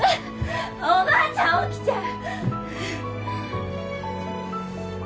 おばあちゃん起きちゃう！